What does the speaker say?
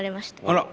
あら！